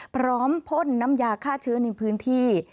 พ่นน้ำยาฆ่าเชื้อในพื้นที่